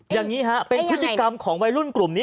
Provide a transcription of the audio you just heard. อย่างนี้ฮะเป็นพฤติกรรมของวัยรุ่นกลุ่มนี้